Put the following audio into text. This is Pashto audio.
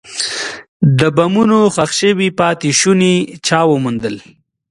د بمونو ښخ شوي پاتې شوني چا وموندل.